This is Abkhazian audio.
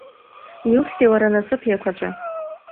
Иухьзеи уара, насыԥ еиқәаҵәа?